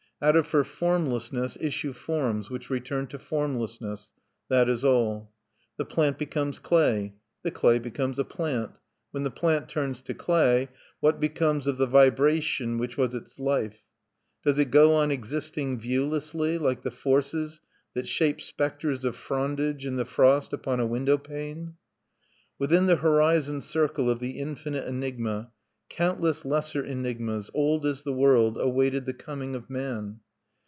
Out of her formlessness issue forms which return to formlessness, that is all. The plant becomes clay; the clay becomes a plant. When the plant turns to clay, what becomes of the vibration which was its life? Does it go on existing viewlessly, like the forces that shape spectres of frondage in the frost upon a window pane? Within the horizon circle of the infinite enigma, countless lesser enigmas, old as the world, awaited the coming of man.